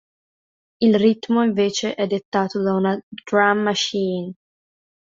Il ritmo invece è dettato da una drum machine.